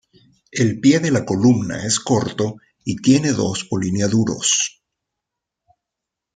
El pie de la columna es corto y tiene dos polinia duros.